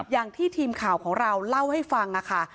อย่างที่ทีมข่าวของเราเล่าให้ฟังค่ะ